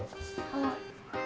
はい。